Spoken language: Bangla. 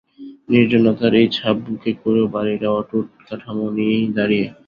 নির্জনতার এই ছাপ বুকে করেও বাড়িটা অটুট কাঠমো নিয়েই দাঁড়িয়ে।